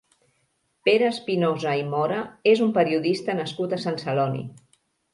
Pere Espinosa i Mora és un periodista nascut a Sant Celoni.